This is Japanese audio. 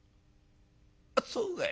「そうかい。